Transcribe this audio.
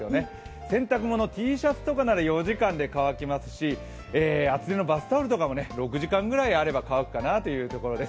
洗濯物、Ｔシャツとかなら４時間で乾きますし厚手のバスタオルとかも６時間くらいあれば乾くかなというところです。